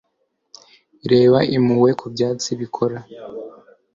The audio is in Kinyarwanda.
Reba impuhwe ku byatsi bikora